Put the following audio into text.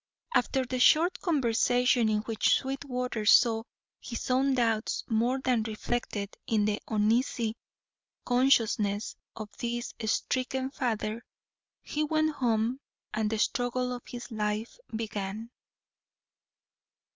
After the short conversation in which Sweetwater saw his own doubts more than reflected in the uneasy consciousness of this stricken father, he went home and the struggle of his life began.